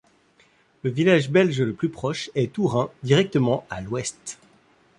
Le village belge le plus proche est Ouren directement à l’ouest.